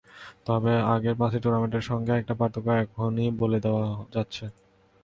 তবে আগের পাঁচটি টুর্নামেন্টের সঙ্গে একটা পার্থক্য এখনই বলে দেওয়া যাচ্ছে।